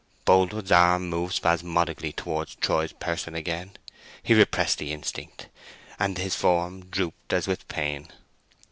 Boldwood's arm moved spasmodically towards Troy's person again. He repressed the instinct, and his form drooped as with pain.